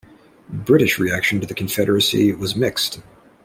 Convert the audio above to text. British reaction to the Confederacy was mixed.